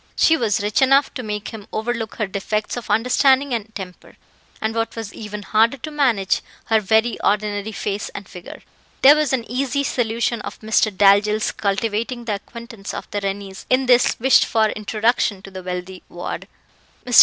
She was rich enough to make him overlook her defects of understanding and temper, and what was even harder to manage, her very ordinary face and figure. There was an easy solution of Mr. Dalzell's cultivating the acquaintance of the Rennies in this wished for introduction to the wealthy ward. Mr.